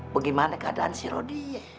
bagaimana keadaan si rodia